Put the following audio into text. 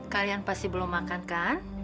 kalian pasti belum makan kan